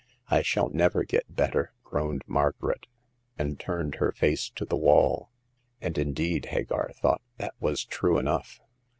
" I shall never get better," groaned Margaret, and turned her face to the wall. And indeed, Hagar thought, that was true enough.